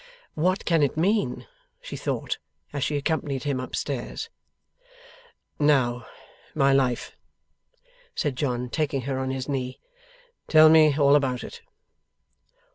'What can it mean?' she thought, as she accompanied him up stairs. 'Now, my life,' said John, taking her on his knee, 'tell me all about it.